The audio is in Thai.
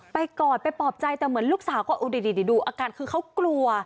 กอดไปปลอบใจแต่เหมือนลูกสาวก็ดูอาการคือเขากลัว